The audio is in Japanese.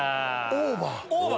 オーバー。